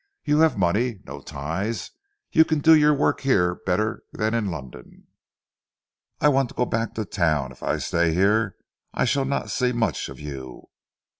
You have money, no ties, and can do your work here better than in London." "I want to go back to town. If I stay here I shall not see much of you.